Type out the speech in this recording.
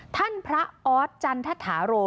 ท่านพระอธจันทถาโรห์